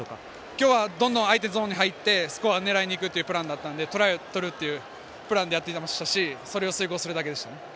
今日はどんどん相手ゾーンに入ってスコア狙いにいくというプランだったのでトライを取るっていうプランでやっていましたしそれを遂行するだけでした。